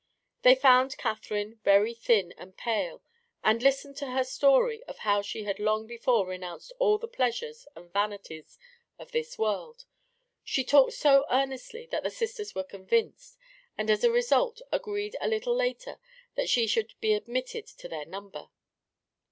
They found Catherine very thin and pale, and listened to her story of how she had long before renounced all the pleasures and vanities of this world. She talked so earnestly that the Sisters were convinced, and as a result agreed a little later that she should be admitted to their number.